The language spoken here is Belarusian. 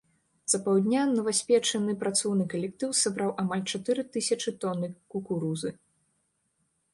За паўдня новаспечаны працоўны калектыў сабраў амаль чатыры тысячы тоны кукурузы.